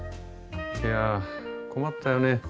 いや困ったよね。